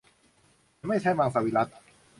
ฉันไม่ใช่มังสวิรัติ